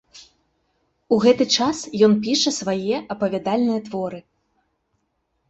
У гэты час ён піша свае апавядальныя творы.